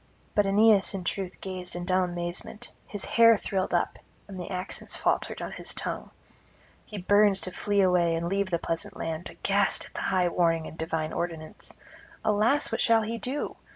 But Aeneas in truth gazed in dumb amazement, his hair thrilled up, and the accents faltered on his tongue. He burns to flee away and leave the pleasant land, aghast at the high warning and divine ordinance. Alas, what shall he do?